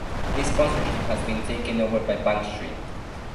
This sponsorship has been taken over by Bankstream.